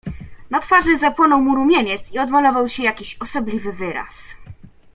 "Na twarzy zapłonął mu rumieniec i odmalował się jakiś osobliwy wyraz."